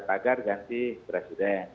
tagar ganti presiden